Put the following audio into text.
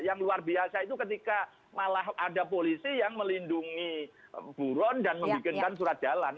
yang luar biasa itu ketika malah ada polisi yang melindungi buron dan membuatkan surat jalan